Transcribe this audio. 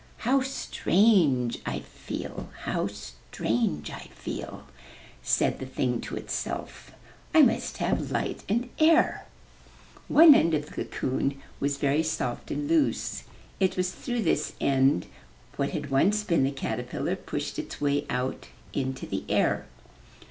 '*How strange I feel! How strange I feel!*' said the thing to itself. '1 must have light and air. One end of the cocoon was very soft and loose. It was through this end that what had once been the caterpillar pushed its way out into the air.